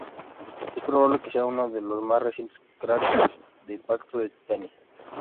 Es probable que sea uno de los más recientes cráteres de impacto de Titania.